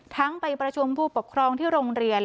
ไปประชุมผู้ปกครองที่โรงเรียน